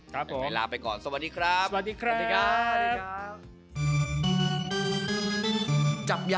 เรายังไม่ลาไปก่อนสวัสดีครับ